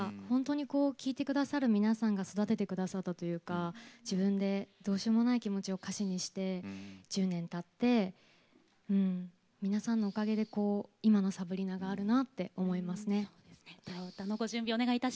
本当に聴いて来た皆さんが育ててきたといいますか自分で、どうしようもない気持ちを歌詞にして１０年たって皆さんのおかげで今の「サブリナ」があるなって思います。